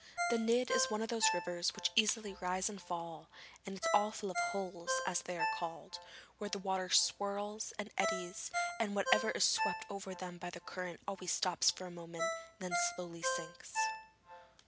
The Nidd is one of those rivers which easily rise and fall, and it is full of 'holes,' as they are called, where the water swirls and eddies, and whatever is swept over them by the current always stops for a moment and then slowly sinks.